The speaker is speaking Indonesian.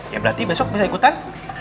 ya berarti besok bisa ikutan